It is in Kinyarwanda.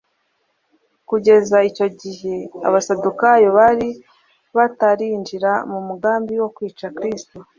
Kugeza icyo gihe abasadukayo bari batarinjira mu mugambi wo kwica Kristo.